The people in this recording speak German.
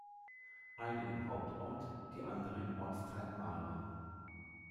Eine im Hauptort, die andere im Ortsteil Marlen.